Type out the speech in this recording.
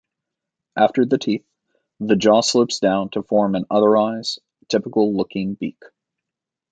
After the teeth, the jaw slopes down to form an otherwise typical-looking beak.